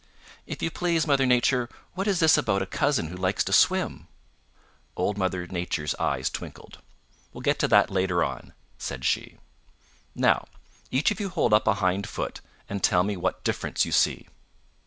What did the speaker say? If you please, Mother Nature, what is this about a cousin who likes to swim?" Old Mother Nature's eyes twinkled. "We'll get to that later on," said she. "Now, each of you hold up a hind foot and tell me what difference you see."